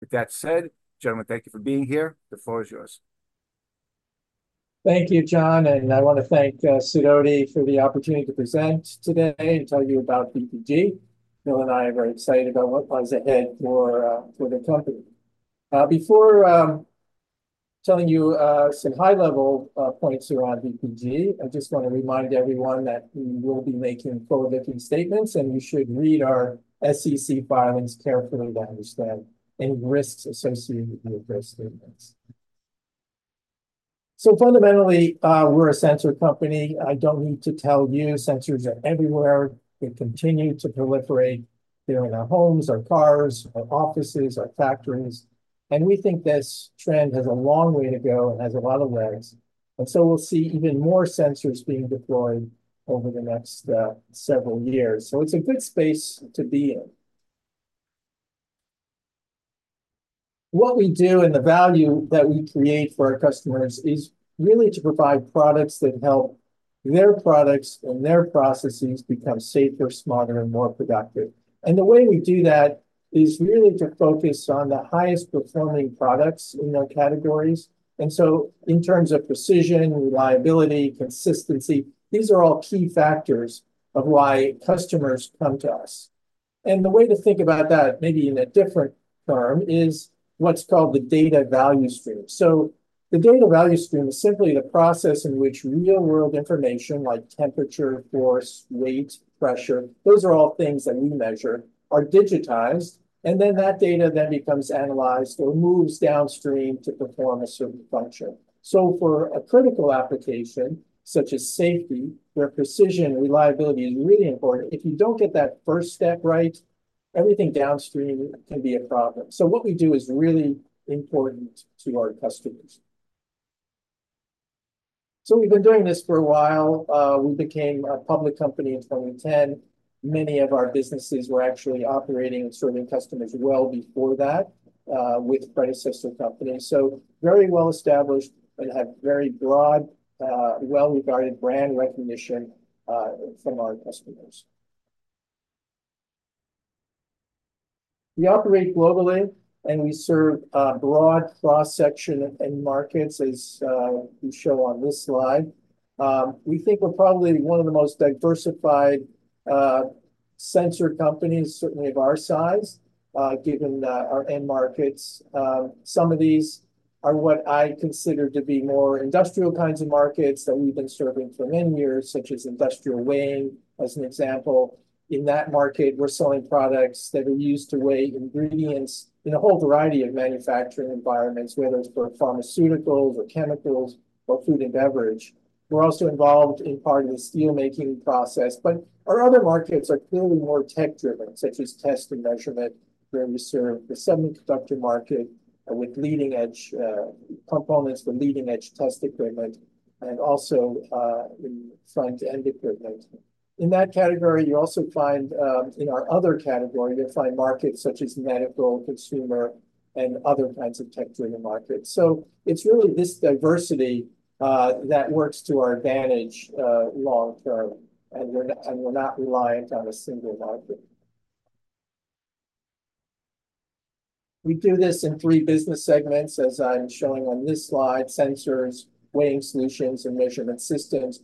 With that said, gentlemen, thank you for being here. The floor is yours. Thank you, John, and I want to thank Sidoti for the opportunity to present today and tell you about VPG. Bill and I are very excited about what lies ahead for the company. Before telling you some high-level points around VPG, I just want to remind everyone that we will be making forward-looking statements, and you should read our SEC filings carefully to understand any risks associated with those statements. So fundamentally, we're a sensor company. I don't need to tell you, sensors are everywhere. They continue to proliferate. They're in our homes, our cars, our offices, our factories, and we think this trend has a long way to go and has a lot of legs. And so we'll see even more sensors being deployed over the next several years. So it's a good space to be in. What we do and the value that we create for our customers is really to provide products that help their products and their processes become safer, smarter, and more productive, and the way we do that is really to focus on the highest-performing products in our categories, and so in terms of precision, reliability, consistency, these are all key factors of why customers come to us, and the way to think about that, maybe in a different term, is what's called the data value stream, so the data value stream is simply the process in which real-world information, like temperature, force, weight, pressure, those are all things that we measure, are digitized, and then that data then becomes analyzed or moves downstream to perform a certain function. So for a critical application, such as safety, where precision and reliability is really important, if you don't get that first step right, everything downstream can be a problem. So what we do is really important to our customers. So we've been doing this for a while. We became a public company in 2010. Many of our businesses were actually operating and serving customers well before that, with predecessor companies. So very well established and have very broad, well-regarded brand recognition from our customers. We operate globally, and we serve a broad cross-section and markets, as we show on this slide. We think we're probably one of the most diversified sensor companies, certainly of our size, given our end markets. Some of these are what I consider to be more industrial kinds of markets that we've been serving for many years, such as industrial weighing, as an example. In that market, we're selling products that are used to weigh ingredients in a whole variety of manufacturing environments, whether it's for pharmaceuticals or chemicals or food and beverage. We're also involved in part of the steelmaking process, but our other markets are clearly more tech-driven, such as test and measurement, where we serve the semiconductor market with leading-edge components for leading-edge test equipment and also in scientific equipment. In that category, you also find in our other category, you'll find markets such as medical, consumer, and other kinds of tech-driven markets. So it's really this diversity that works to our advantage long term, and we're not reliant on a single market. We do this in three business segments, as I'm showing on this slide. Sensors, Weighing Solutions, and Measurement Systems,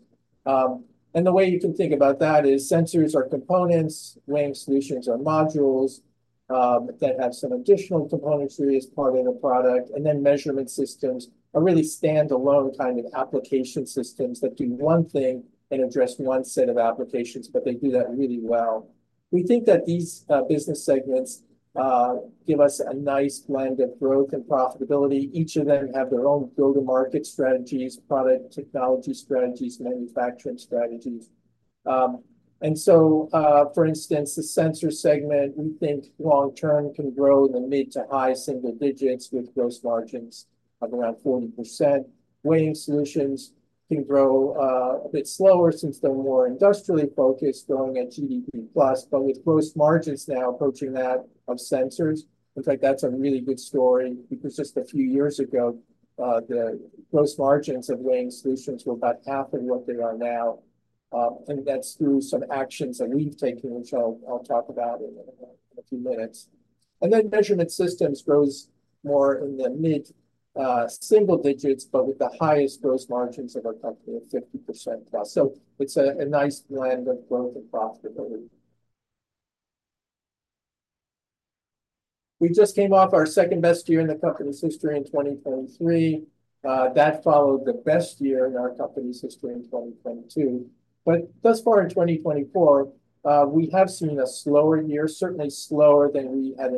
and the way you can think about that is Sensors are components, Weighing Solutions are modules that have some additional componentry as part of the product, and then Measurement Systems are really standalone kind of application systems that do one thing and address one set of applications, but they do that really well. We think that these business segments give us a nice blend of growth and profitability. Each of them have their own go-to-market strategies, product technology strategies, manufacturing strategies. And so, for instance, the Sensors segment, we think long term can grow in the mid to high single digits, with gross margins of around 40%. Weighing Solutions can grow a bit slower since they're more industrially focused, growing at GDP plus, but with gross margins now approaching that of sensors. In fact, that's a really good story because just a few years ago, the gross margins of Weighing Solutions were about half of what they are now. And that's through some actions that we've taken, which I'll talk about in a few minutes. And then Measurement Systems grows more in the mid single digits, but with the highest gross margins of our company at 50% plus. So it's a nice blend of growth and profitability. We just came off our second-best year in the company's history in 2023. That followed the best year in our company's history in 2022. But thus far in 2024, we have seen a slower year, certainly slower than we had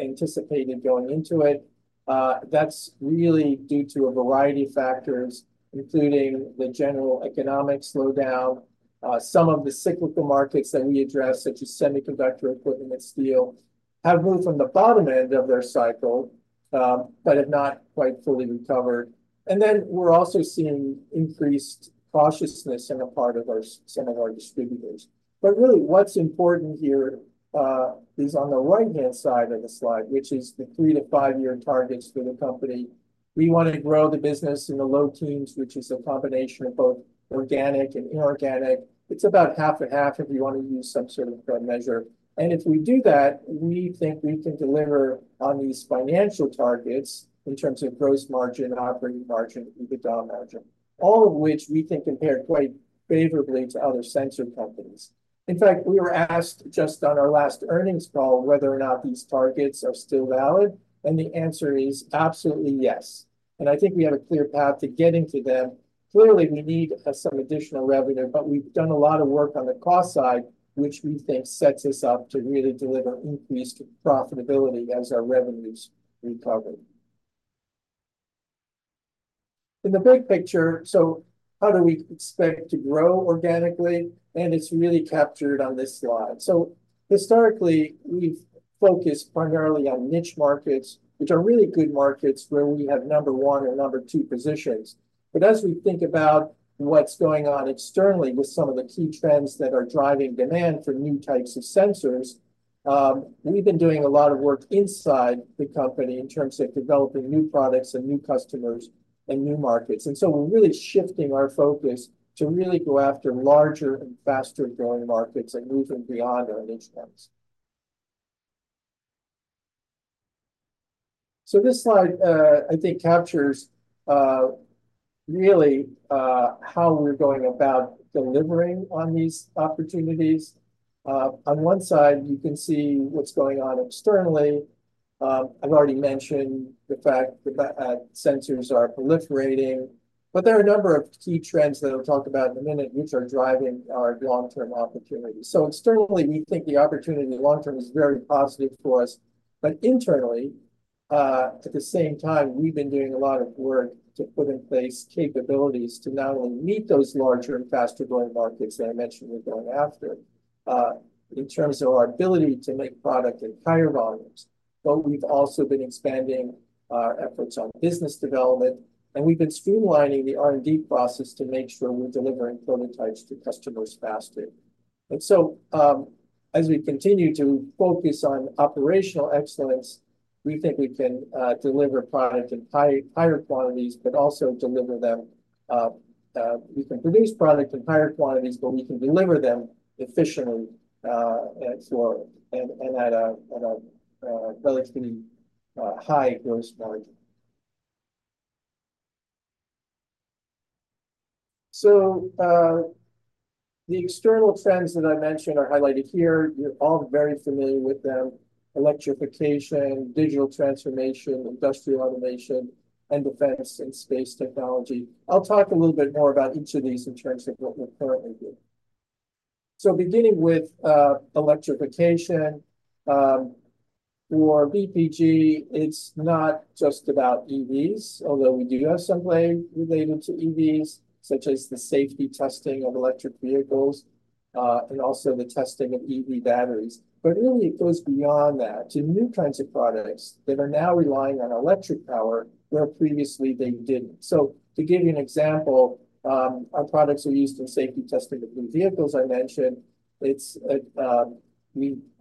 anticipated going into it. That's really due to a variety of factors, including the general economic slowdown. Some of the cyclical markets that we address, such as semiconductor equipment and steel, have moved from the bottom end of their cycle, but have not quite fully recovered. And then we're also seeing increased cautiousness in a part of our, some of our distributors. But really, what's important here is on the right-hand side of the slide, which is the 3 to 5 year targets for the company. We wanna grow the business in the low teens, which is a combination of both organic and inorganic. It's about half and half, if you wanna use some sort of growth measure. And if we do that, we think we can deliver on these financial targets in terms of gross margin, operating margin, EBITDA margin, all of which we think compare quite favorably to other sensor companies. In fact, we were asked just on our last earnings call, whether or not these targets are still valid, and the answer is absolutely yes. And I think we have a clear path to getting to them. Clearly, we need some additional revenue, but we've done a lot of work on the cost side, which we think sets us up to really deliver increased profitability as our revenues recover. In the big picture, so how do we expect to grow organically? And it's really captured on this slide. So historically, we've focused primarily on niche markets, which are really good markets where we have number one and number two positions. But as we think about what's going on externally with some of the key trends that are driving demand for new types of sensors, we've been doing a lot of work inside the company in terms of developing new products and new customers and new markets. And so we're really shifting our focus to really go after larger and faster-growing markets and moving beyond our niche markets. So this slide, I think captures, really, how we're going about delivering on these opportunities. On one side, you can see what's going on externally. I've already mentioned the fact that sensors are proliferating, but there are a number of key trends that I'll talk about in a minute, which are driving our long-term opportunities. So externally, we think the opportunity long term is very positive for us. But internally, at the same time, we've been doing a lot of work to put in place capabilities to not only meet those larger and faster-growing markets that I mentioned we're going after, in terms of our ability to make product at higher volumes, but we've also been expanding our efforts on business development, and we've been streamlining the R&D process to make sure we're delivering prototypes to customers faster. And so, as we continue to focus on operational excellence, we think we can deliver product in higher quantities, but also deliver them. We can produce product in higher quantities, but we can deliver them efficiently, and so at a relatively high gross margin. The external trends that I mentioned are highlighted here. You're all very familiar with them, electrification, digital transformation, industrial automation, and defense and space technology. I'll talk a little bit more about each of these in terms of what we're currently doing. Beginning with electrification, for VPG, it's not just about EVs, although we do have some play related to EVs, such as the safety testing of electric vehicles, and also the testing of EV batteries. But really, it goes beyond that to new kinds of products that are now relying on electric power, where previously they didn't. So to give you an example, our products are used in safety testing of new vehicles I mentioned. It's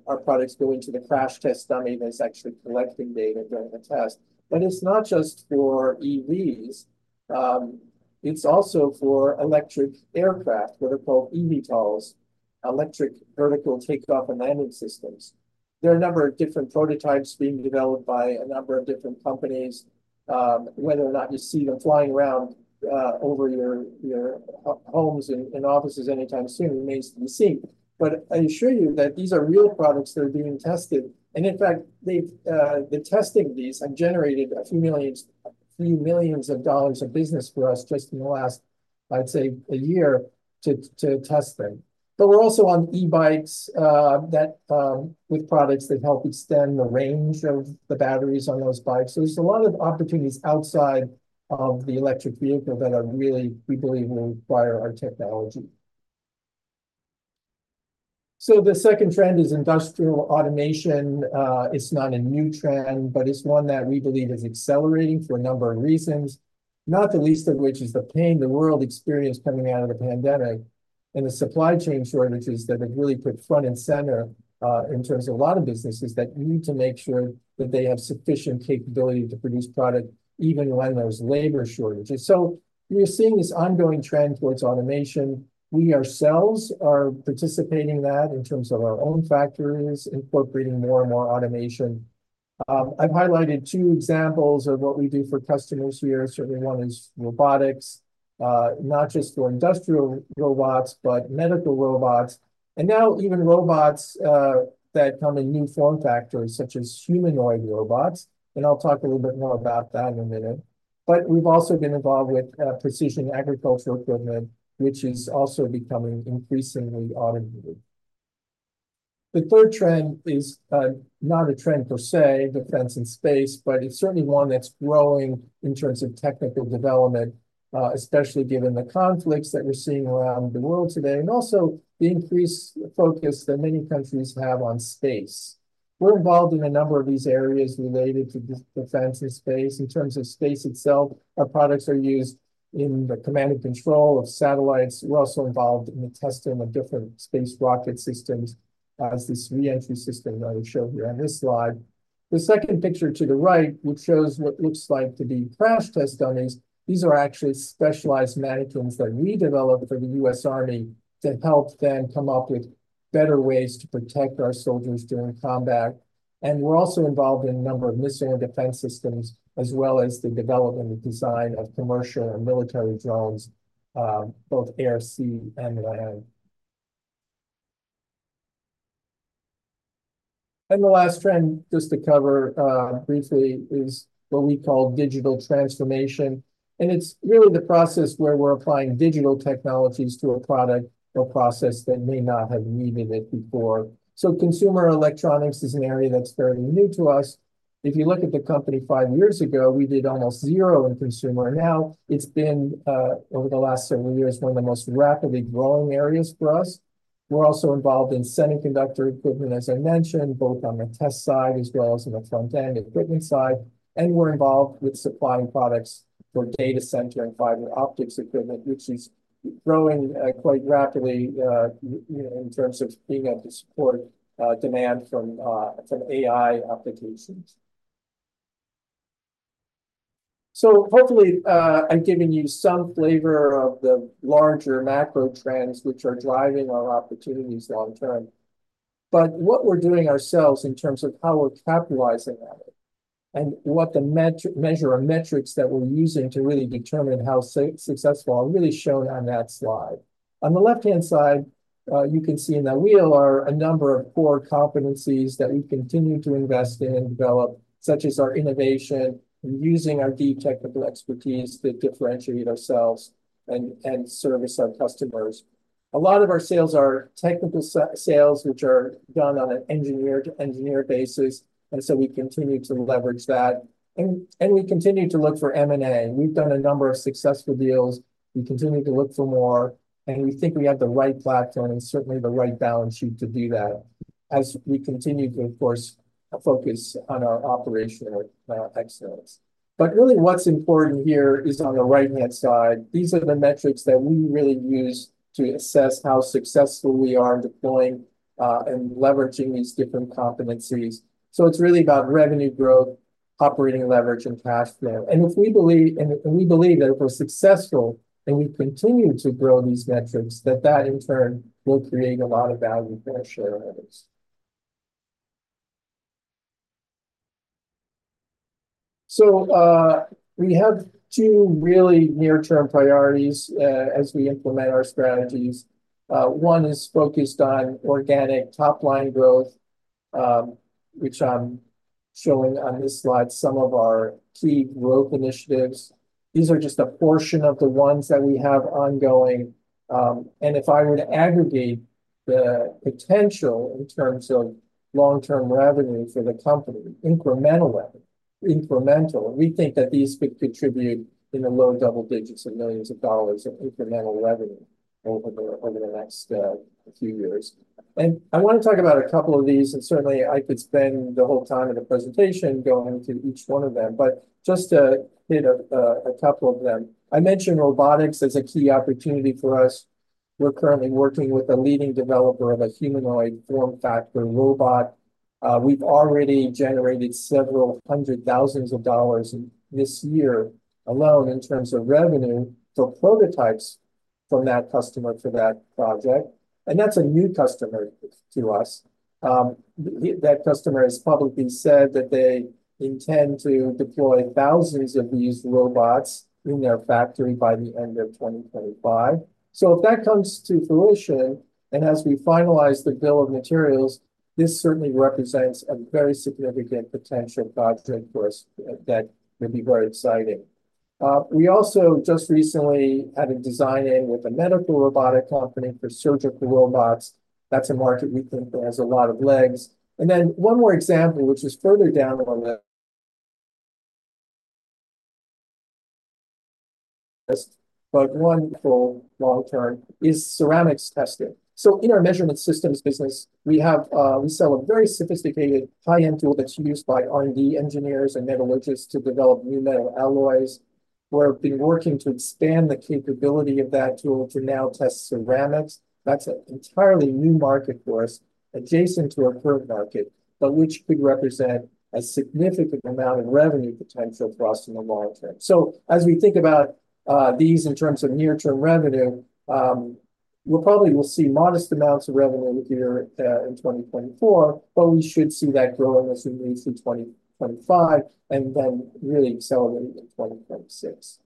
our products go into the crash test dummy that's actually collecting data during the test. But it's not just for EVs, it's also for electric aircraft, what are called eVTOLs, electric vertical take-off and landing systems. There are a number of different prototypes being developed by a number of different companies. Whether or not you see them flying around over your homes and offices anytime soon remains to be seen. But I assure you that these are real products that are being tested, and in fact, they've the testing of these have generated a few millions of dollars of business for us just in the last, I'd say, a year to test them. But we're also on e-bikes with products that help extend the range of the batteries on those bikes. So there's a lot of opportunities outside of the electric vehicle that are really, we believe will require our technology. So the second trend is industrial automation. It's not a new trend, but it's one that we believe is accelerating for a number of reasons, not the least of which is the pain the world experienced coming out of the pandemic and the supply chain shortages that have really put front and center in terms of a lot of businesses that need to make sure that they have sufficient capability to produce product, even when there's labor shortages. So we're seeing this ongoing trend towards automation. We ourselves are participating in that in terms of our own factories, incorporating more and more automation. I've highlighted two examples of what we do for customers here. Certainly, one is robotics, not just for industrial robots, but medical robots, and now even robots that come in new form factors, such as humanoid robots, and I'll talk a little bit more about that in a minute. But we've also been involved with precision agricultural equipment, which is also becoming increasingly automated. The third trend is not a trend per se, defense and space, but it's certainly one that's growing in terms of technical development, especially given the conflicts that we're seeing around the world today, and also the increased focus that many countries have on space. We're involved in a number of these areas related to defense and space. In terms of space itself, our products are used in the command and control of satellites. We're also involved in the testing of different space rocket systems, as this re-entry system that I showed here on this slide. The second picture to the right, which shows what looks like to be crash test dummies, these are actually specialized mannequins that we developed for the U.S. Army to help them come up with better ways to protect our soldiers during combat. And we're also involved in a number of missile defense systems, as well as the development and design of commercial and military drones, both air, sea, and land. And the last trend, just to cover, briefly, is what we call digital transformation, and it's really the process where we're applying digital technologies to a product or process that may not have needed it before. So consumer electronics is an area that's fairly new to us. If you look at the company five years ago, we did almost zero in consumer. Now, it's been over the last several years, one of the most rapidly growing areas for us. We're also involved in semiconductor equipment, as I mentioned, both on the test side as well as on the front-end equipment side. And we're involved with supplying products for data center and fiber optics equipment, which is growing quite rapidly, you know, in terms of being able to support demand from AI applications. So hopefully, I've given you some flavor of the larger macro trends which are driving our opportunities long term. But what we're doing ourselves in terms of how we're capitalizing on it and what the metrics that we're using to really determine how successful are really shown on that slide. On the left-hand side, you can see in that wheel are a number of core competencies that we continue to invest in and develop, such as our innovation and using our deep technical expertise to differentiate ourselves and service our customers. A lot of our sales are technical sales, which are done on an engineer-to-engineer basis, and so we continue to leverage that. And we continue to look for M&A. We've done a number of successful deals. We continue to look for more, and we think we have the right platform and certainly the right balance sheet to do that as we continue to, of course, focus on our operational excellence. But really, what's important here is on the right-hand side. These are the metrics that we really use to assess how successful we are in deploying and leveraging these different competencies. It's really about revenue growth, operating leverage, and cash flow. And if we believe and we believe that if we're successful, and we continue to grow these metrics, that, in turn, will create a lot of value for our shareholders. We have two really near-term priorities as we implement our strategies. One is focused on organic top-line growth, which I'm showing on this slide, some of our key growth initiatives. These are just a portion of the ones that we have ongoing. And if I were to aggregate the potential in terms of long-term revenue for the company, incremental revenue, we think that these could contribute in the low double digits of millions of dollars of incremental revenue over the next few years. I wanna talk about a couple of these, and certainly, I could spend the whole time in the presentation going into each one of them, but just to hit a, a couple of them. I mentioned robotics as a key opportunity for us. We're currently working with a leading developer of a humanoid form factor robot. We've already generated several hundred thousand dollars in this year alone in terms of revenue for prototypes from that customer for that project, and that's a new customer to us. That customer has publicly said that they intend to deploy thousands of these robots in their factory by the end of 2025. So if that comes to fruition, and as we finalize the bill of materials, this certainly represents a very significant potential growth rate for us, that would be very exciting. We also just recently had a design-in with a medical robotic company for surgical robots. That's a market we think has a lot of legs. And then one more example, which is further down on the list, but one for long term, is ceramics testing. So in our measurement systems business, we have, we sell a very sophisticated high-end tool that's used by R&D engineers and metallurgists to develop new metal alloys. We've been working to expand the capability of that tool to now test ceramics. That's an entirely new market for us, adjacent to our current market, but which could represent a significant amount of revenue potential for us in the long term. As we think about these in terms of near-term revenue, we probably will see modest amounts of revenue this year in 2024, but we should see that growing as we move through 2025, and then really accelerating in 2026.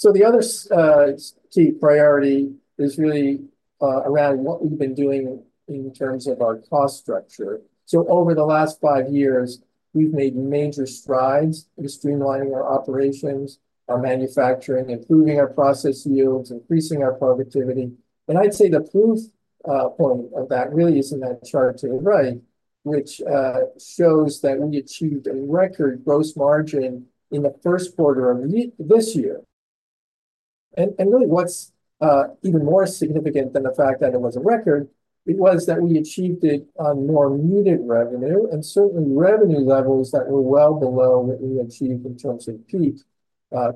The other key priority is really around what we've been doing in terms of our cost structure. Over the last 5 years, we've made major strides in streamlining our operations, our manufacturing, improving our process yields, increasing our productivity. I'd say the proof point of that really is in that chart to the right, which shows that we achieved a record gross margin in the first quarter of this year. Really, what's even more significant than the fact that it was a record, it was that we achieved it on more muted revenue, and certainly revenue levels that were well below what we achieved in terms of peak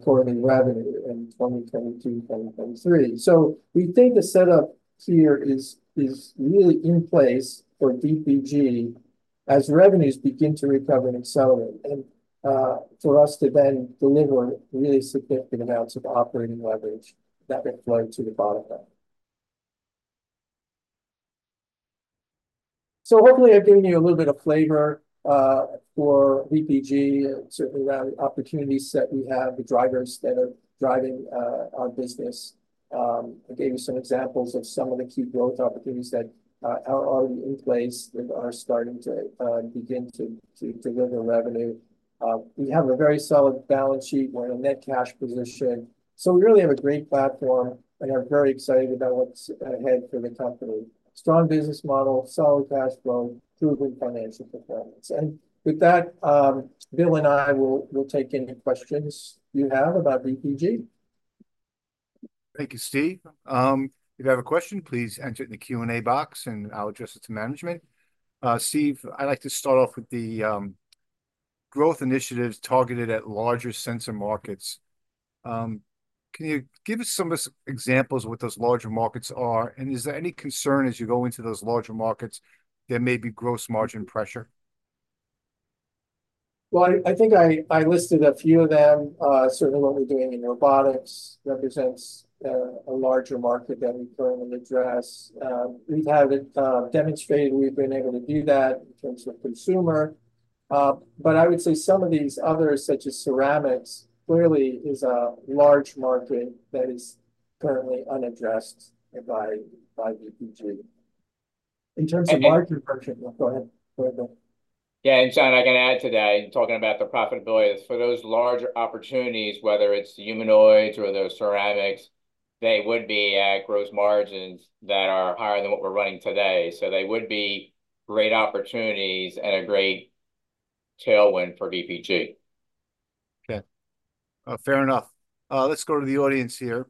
quarterly revenue in 2022, 2023. We think the setup here is really in place for VPG as revenues begin to recover and accelerate, and for us to then deliver really significant amounts of operating leverage that will flow to the bottom line. Hopefully, I've given you a little bit of flavor for VPG, and certainly the opportunities that we have, the drivers that are driving our business. I gave you some examples of some of the key growth opportunities that are already in place and are starting to begin to deliver revenue. We have a very solid balance sheet. We're in a net cash position, so we really have a great platform, and are very excited about what's ahead for the company. Strong business model, solid cash flow, proven financial performance, and with that, Bill and I will take any questions you have about VPG. Thank you, Ziv. If you have a question, please enter it in the Q and A box, and I'll address it to management. Ziv, I'd like to start off with the growth initiatives targeted at larger sensor markets. Can you give us some examples of what those larger markets are? And is there any concern as you go into those larger markets, there may be gross margin pressure? I think I listed a few of them. Certainly what we're doing in robotics represents a larger market that we currently address. We've had it demonstrated; we've been able to do that in terms of consumer. But I would say some of these others, such as ceramics, clearly is a large market that is currently unaddressed by VPG. And— In terms of market pressure. Go ahead. Go ahead, Bill. Yeah, and John, I can add to that, in talking about the profitability. For those larger opportunities, whether it's the humanoids or those ceramics, they would be at gross margins that are higher than what we're running today. So they would be great opportunities and a great tailwind for VPG. Okay, fair enough. Let's go to the audience here.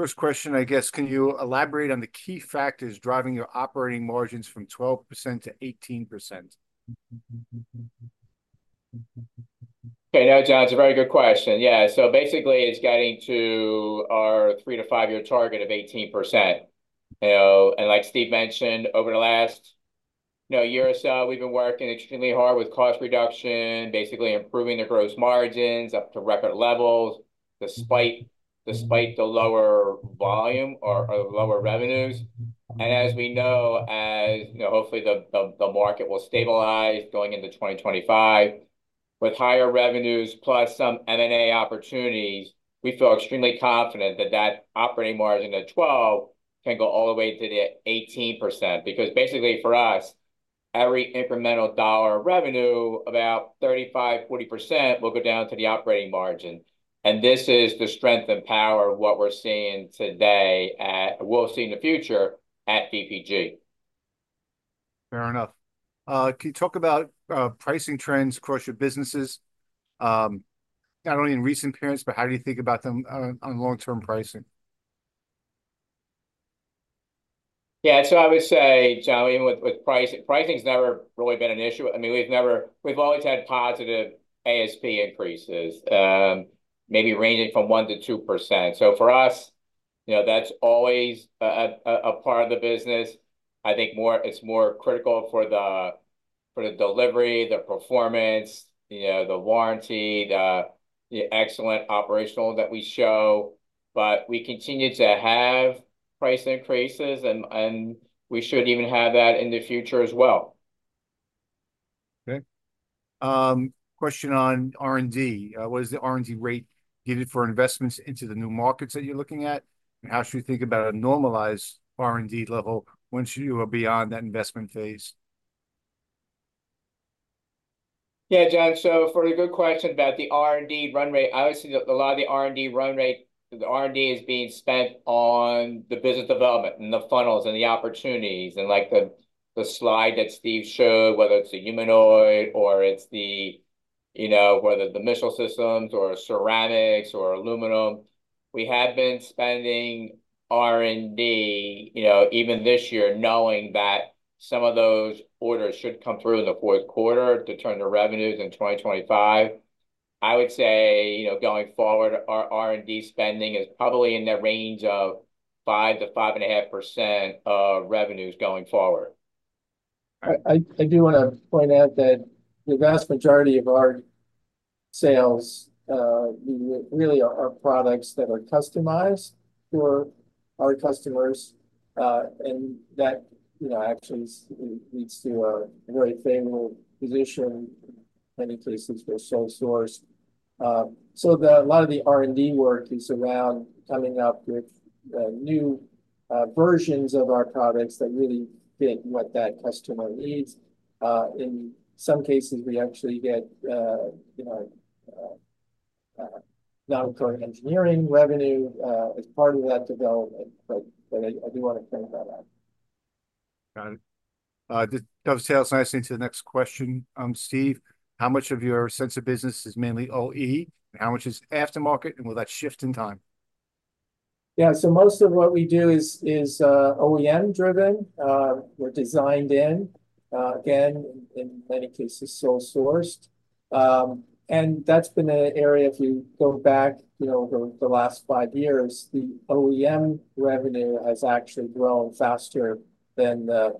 First question, I guess, can you elaborate on the key factors driving your operating margins from 12% to 18%? Okay, yeah, John, it's a very good question. Yeah, so basically, it's getting to our 3 to 5-year target of 18%. You know, and like Ziv mentioned, over the last, you know, year or so, we've been working extremely hard with cost reduction, basically improving the gross margins up to record levels, despite the lower volume or lower revenues. And as we know, as you know, hopefully, the market will stabilize going into 2025. With higher revenues plus some M&A opportunities, we feel extremely confident that that operating margin at 12% can go all the way to the 18%. Because basically, for us, every incremental dollar of revenue, about 35%, 40% will go down to the operating margin, and this is the strength and power of what we'll see in the future at VPG. Fair enough. Can you talk about pricing trends across your businesses, not only in recent periods, but how do you think about them on long-term pricing? Yeah, so I would say, John, even with pricing, pricing's never really been an issue. I mean, we've never. We've always had positive ASP increases, maybe ranging from 1% to 2%. So for us, you know, that's always a part of the business. I think more. It's more critical for the delivery, the performance, you know, the warranty, the excellent operational that we show. But we continue to have price increases, and we should even have that in the future as well. Okay. Question on R&D. What is the R&D rate needed for investments into the new markets that you're looking at? And how should we think about a normalized R&D level once you are beyond that investment phase? Yeah, John, so for a good question about the R&D run rate, obviously, a lot of the R&D run rate, the R&D is being spent on the business development and the funnels and the opportunities, and like the slide that Ziv showed, whether it's a humanoid or it's the, you know, whether the missile systems or ceramics or aluminum. We have been spending R&D, you know, even this year, knowing that some of those orders should come through in the fourth quarter to turn to revenues in 2025. I would say, you know, going forward, our R&D spending is probably in the range of 5% to 5.5% of revenues going forward. I do want to point out that the vast majority of our sales really are products that are customized for our customers, and that, you know, actually leads to a very favorable position. In many cases, we're sole source. So a lot of the R&D work is around coming up with new versions of our products that really fit what that customer needs. In some cases, we actually get, you know, non-recurring engineering revenue as part of that development, but I do want to point that out. Got it. That dovetails nicely into the next question. Ziv, how much of your sensor business is mainly OE, and how much is aftermarket, and will that shift in time? Yeah, so most of what we do is OEM driven. We're designed in, again, in many cases, sole sourced. And that's been an area, if you go back, you know, over the last five years, the OEM revenue has actually grown faster than the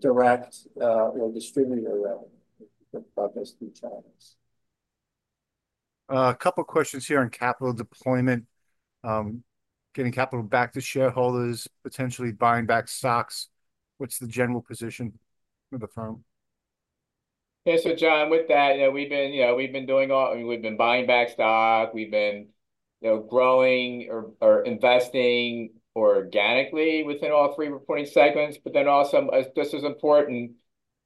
direct or distributor revenue, across the channels. A couple questions here on capital deployment. Getting capital back to shareholders, potentially buying back stocks. What's the general position of the firm? Yeah, so John, with that, you know, we've been, you know, we've been doing all. I mean, we've been buying back stock, we've been, you know, growing or, or investing organically within all three reporting segments, but then also just as important,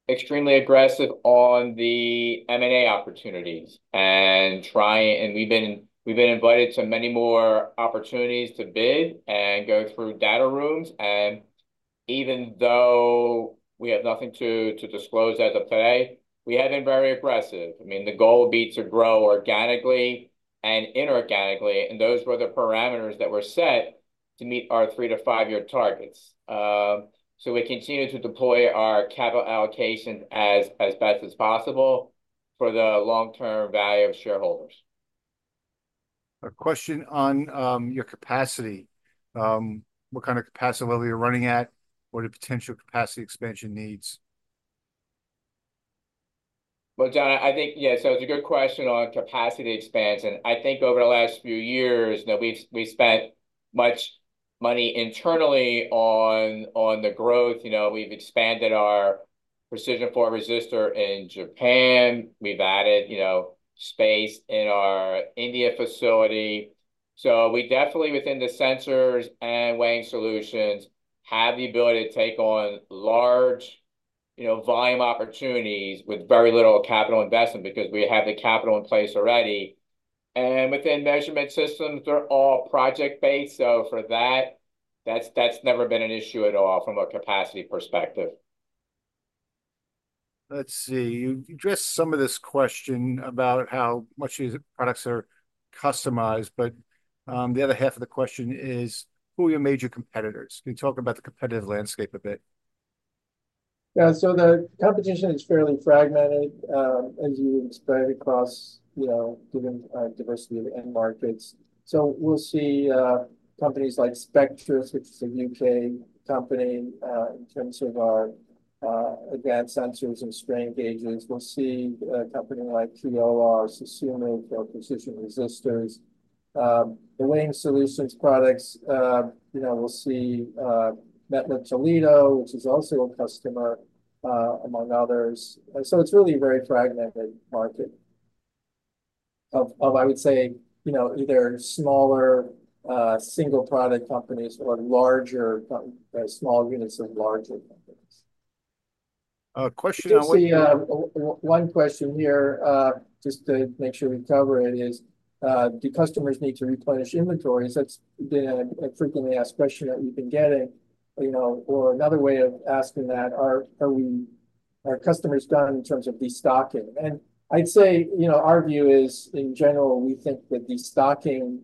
extremely aggressive on the M&A opportunities. And we've been invited to many more opportunities to bid and go through data rooms. And even though we have nothing to disclose as of today, we have been very aggressive. I mean, the goal will be to grow organically and inorganically, and those were the parameters that were set to meet our 3 to 5-year targets. So we continue to deploy our capital allocation as best as possible for the long-term value of shareholders. A question on your capacity. What kind of capacity level you're running at? What are the potential capacity expansion needs? John, I think, yeah, so it's a good question on capacity expansion. I think over the last few years, you know, we've spent much money internally on the growth. You know, we've expanded our precision film resistor in Japan. We've added, you know, space in our India facility. So we definitely, within the Sensors and Weighing Solutions, have the ability to take on large, you know, volume opportunities with very little capital investment, because we have the capital in place already. And within Measurement Systems, they're all project-based, so for that, that's never been an issue at all from a capacity perspective. Let's see. You've addressed some of this question about how much these products are customized, but, the other half of the question is: Who are your major competitors? Can you talk about the competitive landscape a bit? Yeah, so the competition is fairly fragmented, as you expand across, you know, different diversity of end markets. So we'll see companies like Spectris, which is a U.K. company, in terms of our advanced sensors and strain gauges. We'll see a company like TT, Susumu, for precision resistors. The weighing solutions products, you know, we'll see Mettler-Toledo, which is also a customer, among others. So it's really a very fragmented market of, I would say, you know, either smaller single-product companies or larger companies, small units of larger companies. A question on— I see, one question here, just to make sure we cover it, is: Do customers need to replenish inventories? That's been a frequently asked question that we've been getting, you know. Or another way of asking that, are customers done in terms of destocking? And I'd say, you know, our view is, in general, we think that destocking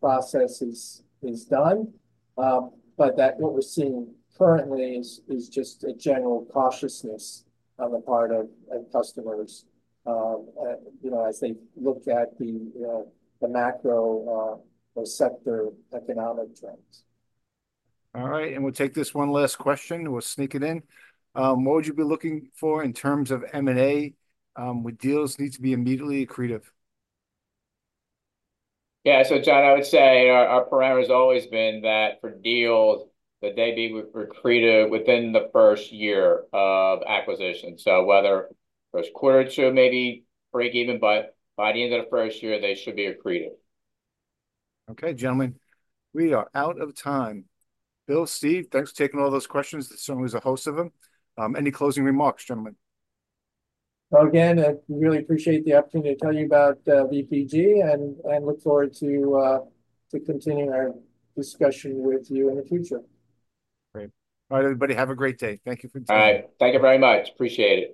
process is done, but what we're seeing currently is just a general cautiousness on the part of customers, you know, as they look at the macro or sector economic trends. All right, and we'll take this one last question. We'll sneak it in. What would you be looking for in terms of M&A, would deals need to be immediately accretive? Yeah, so John, I would say our parameter has always been that for deals, that they be accretive within the first year of acquisition. So whether first quarter or two, maybe break even, but by the end of the first year, they should be accretive. Okay, gentlemen, we are out of time. Bill, Ziv, thanks for taking all those questions. There certainly was a host of them. Any closing remarks, gentlemen? Again, I really appreciate the opportunity to tell you about VPG, and look forward to continuing our discussion with you in the future. Great. All right, everybody, have a great day. Thank you for joining. Bye. Thank you very much. Appreciate it.